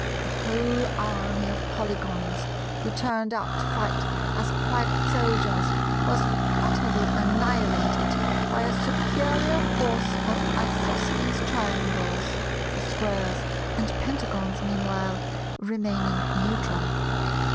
A whole army of Polygons, who turned out to fight as private soldiers, was utterly annihilated by a superior force of Isosceles Triangles—the Squares and Pentagons meanwhile remaining neutral.